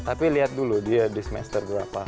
tapi lihat dulu dia trimester berapa